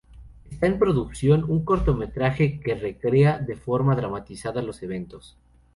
Está en producción un cortometraje que recrea de forma dramatizada los eventos.